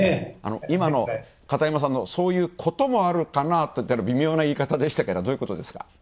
今の片山さんの、そういうこともあるかなといった微妙な言い方でしたが、どういうことですか？